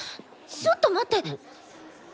ちょっと待って。